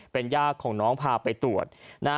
เป็นย่าของน้องพาไปตรวจ